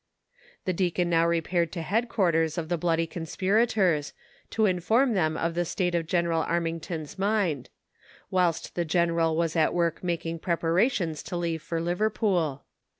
The deacon now repaired to headquarters of the bloody conspirators, to inform them of the state of General Arm ington's mind ; whilst the general was at work making preparations to leave for Liverpool.